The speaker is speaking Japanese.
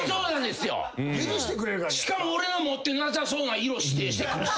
しかも俺の持ってなさそうな色指定してくるし。